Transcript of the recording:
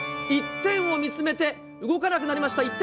一点を見つめて動かなくなりました。